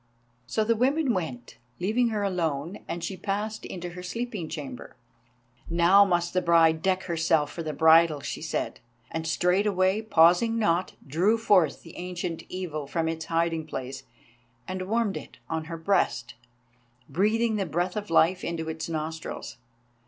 So the women went, leaving her alone, and she passed into her sleeping chamber. "Now must the bride deck herself for the bridal," she said, and straightway, pausing not, drew forth the Ancient Evil from its hiding place and warmed it on her breast, breathing the breath of life into its nostrils.